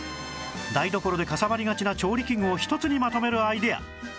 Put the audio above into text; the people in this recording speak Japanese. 台所でかさばりがちな調理器具を１つにまとめるアイデア